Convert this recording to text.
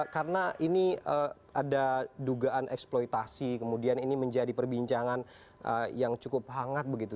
karena ini ada dugaan eksploitasi kemudian ini menjadi perbincangan yang cukup hangat begitu